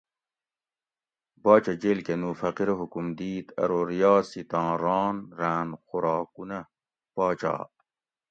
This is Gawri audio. باچہ جیل کہ نُو فقیرہ حکم دِیت ارو ریاسیتاں ران راۤن خوراکونہ پاچا